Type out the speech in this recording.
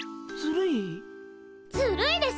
ずるいです！